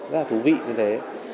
rất là thú vị như thế